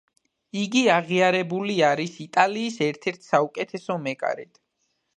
იგი აღიარებული არის იტალიის ერთ-ერთ საუკეთესო მეკარედ.